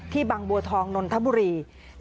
บางบัวทองนนทบุรี